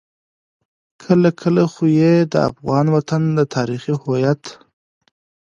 کله کله خو يې د افغان وطن د تاريخي هويت.